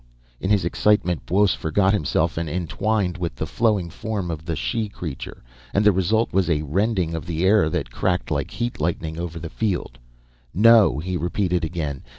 In his excitement, Buos forgot himself and entwined with the flowing form of the she creature, and the result was a rending of the air that cracked like heat lightning over the field. "No," he repeated again.